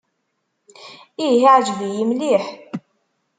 Ih, yeɛjeb-iyi mliḥ.